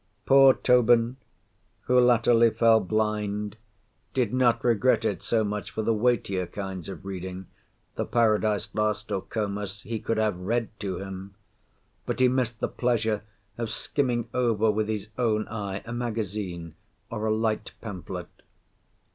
Poor Tobin, who latterly fell blind, did not regret it so much for the weightier kinds of reading—the Paradise Lost, or Comus, he could have read to him—but he missed the pleasure of skimming over with his own eye a magazine, or a light pamphlet.